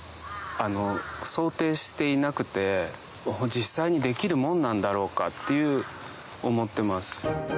実際にできるもんなんだろうかって思ってます。